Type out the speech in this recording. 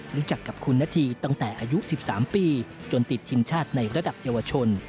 รู้จักกับคุณนาธีตั้งแต่อายุ๑๓ปีจนติดทีมชาติในระดับเยาวชน